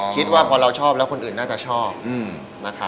คิดว่าพอเราชอบแล้วคนอื่นน่าจะชอบนะครับ